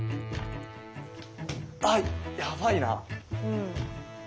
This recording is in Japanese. あやばいな。